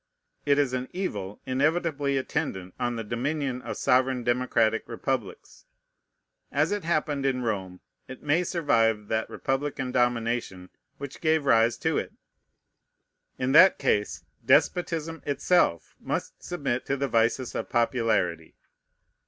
It is an evil inevitably attendant on the dominion of sovereign democratic republics. As it happened in Rome, it may survive that republican domination which gave rise to it. In that case despotism itself must submit to the vices of popularity.